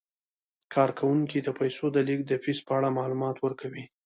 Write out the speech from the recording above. کارکوونکي د پیسو د لیږد د فیس په اړه معلومات ورکوي.